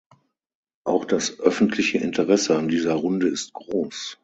Auch das öffentliche Interesse an dieser Runde ist groß.